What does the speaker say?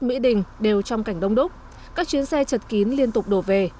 mỹ đình đều trong cảnh đông đúc các chuyến xe chật kín liên tục đổ về